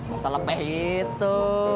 masa lepeh itu